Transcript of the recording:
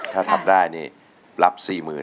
ถ้าทำได้นี่รับ๔๐๐๐